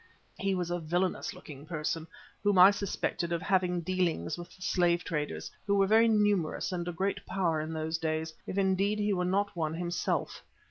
He was a villainous looking person whom I suspected of having dealings with the slave traders, who were very numerous and a great power in those days, if indeed he were not one himself.